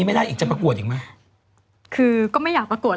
๑๗ปีแล้วหรอ